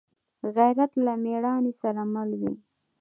غیرت له مړانې سره مل وي